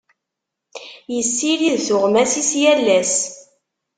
Yessirid tuɣmas-is yal ass.